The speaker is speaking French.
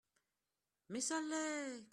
Mais ça l’est